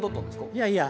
いやいや。